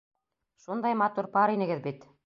Шундай матур пар инегеҙ бит...